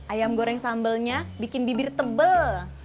ayam goreng sambalnya bikin bibir tebel